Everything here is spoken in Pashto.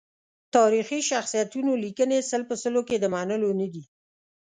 تاریخي شخصیتونو لیکنې سل په سل کې د منلو ندي.